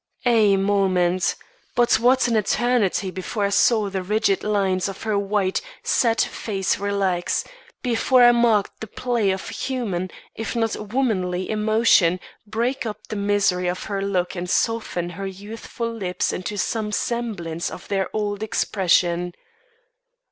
A moment! But what an eternity before I saw the rigid lines of her white, set face relax before I marked the play of human, if not womanly, emotion break up the misery of her look and soften her youthful lips into some semblance of their old expression.